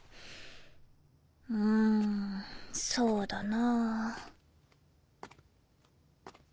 んそうだな。